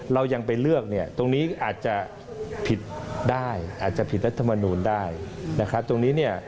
เรายังไปเลือกตรงนี้อาจจะผิดได้อาจจะผิดรัฐมนุนได้